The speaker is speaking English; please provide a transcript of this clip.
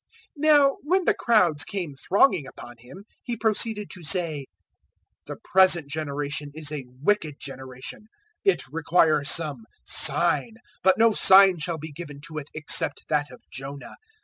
011:029 Now when the crowds came thronging upon Him, He proceeded to say, "The present generation is a wicked generation: it requires some sign, but no sign shall be given to it except that of Jonah.